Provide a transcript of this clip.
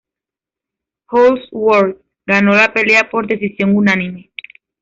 Holdsworth ganó la pelea por decisión unánime.